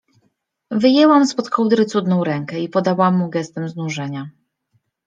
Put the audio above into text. Wyjęłam spod kołdry cudną rękę i podałam mu gestem znużenia.